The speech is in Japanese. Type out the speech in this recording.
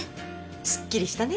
すっきりしたね。